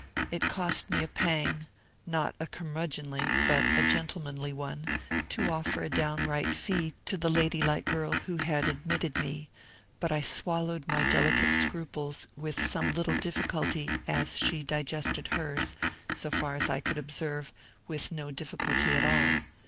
It cost me a pang (not a curmudgeonly, but a gentlemanly one) to offer a downright fee to the lady like girl who had admitted me; but I swallowed my delicate scruples with some little difficulty, and she digested hers, so far as I could observe, with no difficulty at all.